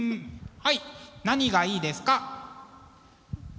はい何がいいですか？